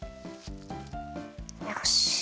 よし。